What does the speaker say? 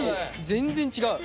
全然違う。